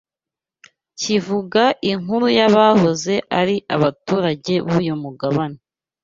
kivuga inkuru y’abahoze ari abaturage b’uyu mugabane